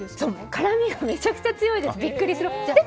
辛みがめちゃくちゃ強いですビックリするくらい。